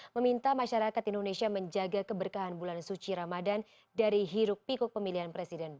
meminta masyarakat indonesia menjaga keberkahan bulan suci ramadan dari hiruk pikuk pemilihan presiden dua ribu sembilan belas